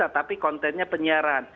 tapi kontennya penyiaran